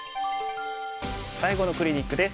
最後のクリニックです。